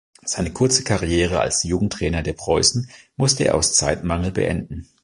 Seine kurze Karriere als Jugendtrainer der Preußen musste er aus Zeitmangel beenden.